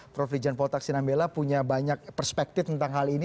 prof rijan poltak sinambela punya banyak perspektif tentang hal ini